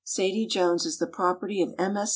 Sadie Jones is the property of M. S.